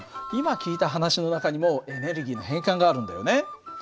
今聞いた話の中にもエネルギーの変換があるんだよね。